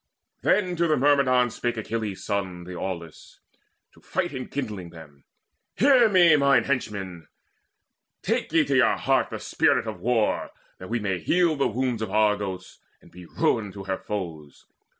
Then to the Myrmidons spake Achilles' son, The aweless, to the fight enkindling them: "Hear me, mine henchmen: take ye to your hearts The spirit of war, that we may heal the wounds Of Argos, and be ruin to her foes.